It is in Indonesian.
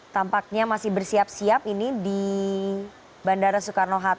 tampaknya masih bersiap siap ini di bandara soekarno hatta